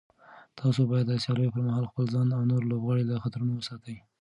تاسو باید د سیالیو پر مهال خپل ځان او نور لوبغاړي له خطرونو وساتئ.